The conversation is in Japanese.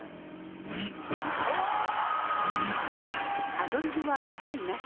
アドリブは一切なし。